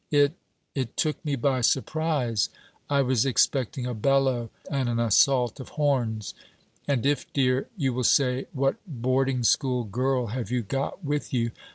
It... it took me by surprise; I was expecting a bellow and an assault of horns; and if, dear: you will say, what boarding school girl have you got with you!